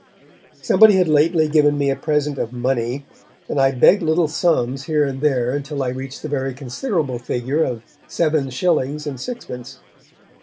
Somebody had lately given me a present of money, and I begged little sums here and there until I reached the very considerable figure of seven shillings and sixpence.